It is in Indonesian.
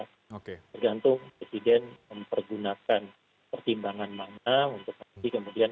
tergantung presiden mempergunakan pertimbangan mana untuk nanti kemudian